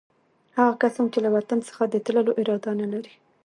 هغه کسان چې له وطن څخه د تللو اراده نه لري.